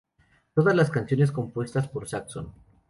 Todas las canciones compuestas por Saxon.